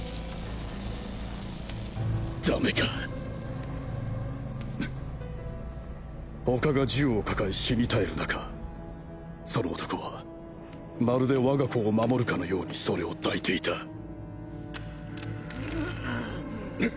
ダメか他が銃を抱え死に絶える中その男はまるで我が子を守るかのようにそれを抱いていたううう。